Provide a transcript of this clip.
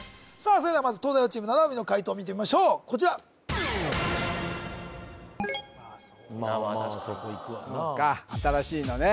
それではまず東大王チーム七海の解答を見てみましょうこちら・まあ確かにそこいくわなそっか新しいのね